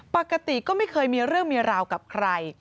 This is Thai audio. ปกติก็ไม่เคยมีเรื่องมีราวกับใคร